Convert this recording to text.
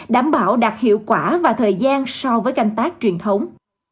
đảm bảo đạt hiệu quả và thời gian so với canh tác truyền thống